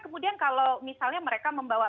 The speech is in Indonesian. kemudian kalau misalnya mereka membawa